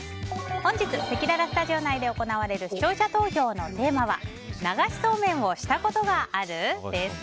本日、せきららスタジオ内で行われる視聴者投票のテーマは流しそうめんをしたことがある？です。